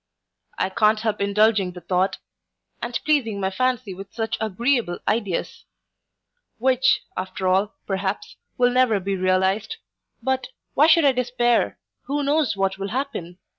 I can't help indulging the thought, and pleasing my fancy with such agreeable ideas; which after all, perhaps, will never be realized But, why should I despair? who knows what will happen?